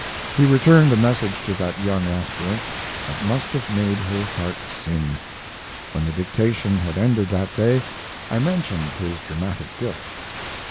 He returned a message to that young aspirant that must have made her heart sing. When the dictation had ended that day, I mentioned his dramatic gift.